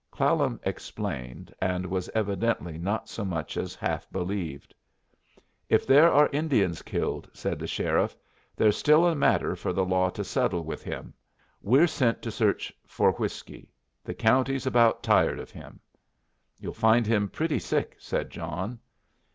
Clallam explained, and was evidently not so much as half believed. "If there are Indians killed," said the sheriff, "there's still another matter for the law to settle with him. We're sent to search for whiskey. The county's about tired of him." "You'll find him pretty sick," said John.